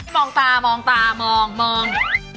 มองตามองตามองมอง